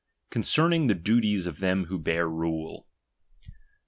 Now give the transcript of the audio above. CONCERNIKG THE DUTIES OF THEM WHO BEAR RULE.